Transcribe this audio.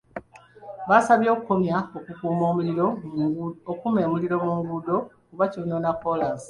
Abasabye okukomya okukuma omuliro mu nguudo kuba kyonoona kkolaasi.